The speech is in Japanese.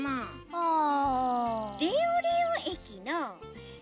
ああ。